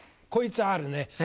こいつはあるね。